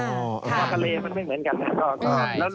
ข้ากะเลมันไม่เหมือนกันนะครับ